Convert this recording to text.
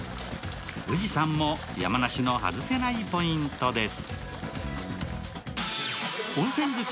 富士山も山梨の外せないポイントです。